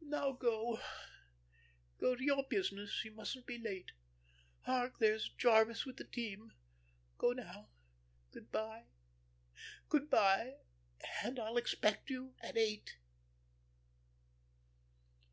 Now go, go to your business; you mustn't be late. Hark, there is Jarvis with the team. Go now. Good by, good by, and I'll expect you at eight."